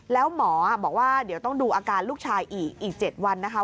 แล้วหมอบอกว่าเดี๋ยวต้องดูอาการลูกชายอีกอีก๗วันนะคะ